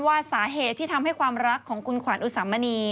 ว่าสาเหตุที่ทำให้ความรักของคุณขวัญอุสามณี